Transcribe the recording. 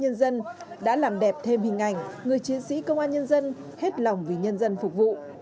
nhân dân đã làm đẹp thêm hình ảnh người chiến sĩ công an nhân dân hết lòng vì nhân dân phục vụ